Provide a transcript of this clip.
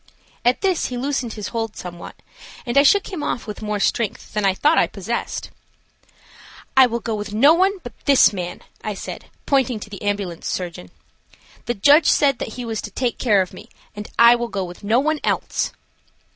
At this he loosened his hold somewhat, and I shook him off with more strength than I thought I possessed. "I will go with no one but this man," I said, pointing to the ambulance surgeon. "The judge said that he was to take care of me, and I will go with no one else."